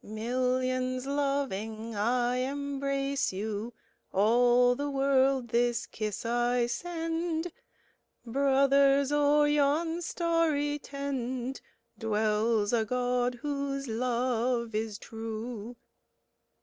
"Millions loving, I embrace you, All the world this kiss I send! Brothers, o'er yon starry tent Dwells a God whose love is true!"